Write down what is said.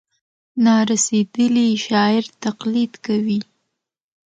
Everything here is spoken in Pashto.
نا رسېدلي شاعر تقلید کوي.